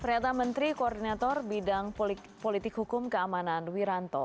pernyataan menteri koordinator bidang politik hukum keamanan wiranto